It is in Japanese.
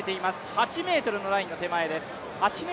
８ｍのラインの手前です。